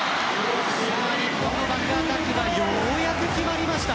バックアタックがようやく決まりました。